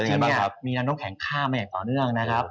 จริงเนี่ยมีรันดมแข็งข้ามมาอย่างต่อเนื่องนะครับ